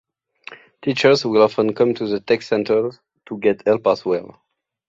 Teachers will often come to the Tech Center to get help as well.